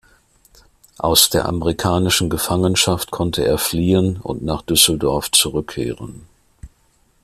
Aus der amerikanischen Gefangenschaft konnte er fliehen und nach Düsseldorf zurückkehren.